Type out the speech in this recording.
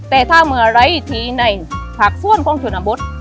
แต่ถ้าเมื่อไรทีในภาคส่วนของชุนบุตร